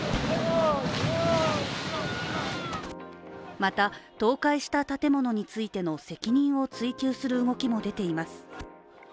また、倒壊した建物についての責任を追及する動きも出ています。